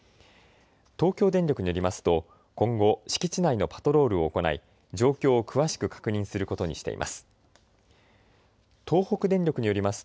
東京電力によりますと今後、敷地内のパトロールを行い状況を詳しく確認することにしています。